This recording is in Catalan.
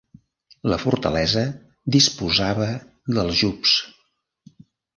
La fortalesa disposava d'aljubs.